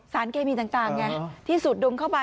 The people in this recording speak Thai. สารเกมีต่างที่สุดดุ้งเข้าไป